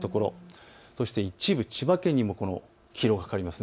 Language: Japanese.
そして一部、千葉県にも黄色がかかります。